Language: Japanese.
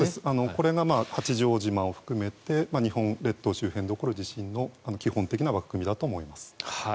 これが八丈島を含めて日本列島周辺で起こる地震の基本的な枠組みだと思います。